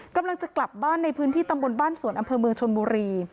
กำลังจะกลับบ้านในพื้นที่ตำบลบ้านสวนอำเภอเมืองชนบุรี